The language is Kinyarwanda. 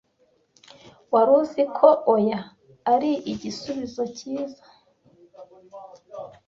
wari uzi ko oya arigisubizo kiza